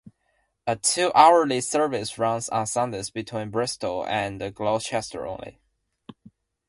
A two-hourly service runs on Sundays between Bristol and Gloucester only.